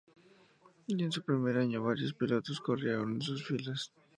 Ya en su primer año varios pilotos corrieron en sus filas.